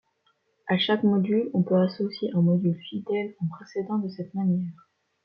À chaque module, on peut associer un module fidèle en procédant de cette manière.